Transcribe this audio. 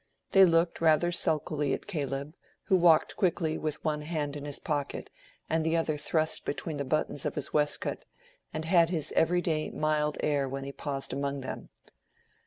They looked rather sulkily at Caleb, who walked quickly with one hand in his pocket and the other thrust between the buttons of his waistcoat, and had his every day mild air when he paused among them.